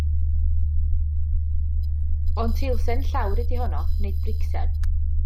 Ond teilsen llawr ydy honno, nid bricsen.